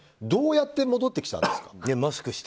どうやって戻ってきたんですか。